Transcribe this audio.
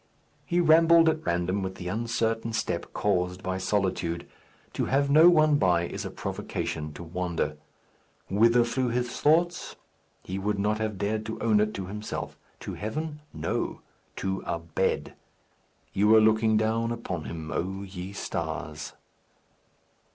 He rambled at random with the uncertain step caused by solitude. To have no one by is a provocative to wander. Whither flew his thoughts? He would not have dared to own it to himself. To heaven? No. To a bed. You were looking down upon him, O ye stars.